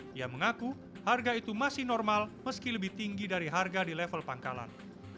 dia mengaku harga itu masih normal meski lebih tinggi dari harga di level pangkalan